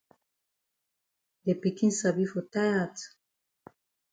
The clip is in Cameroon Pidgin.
De pikin sabi for tie hat.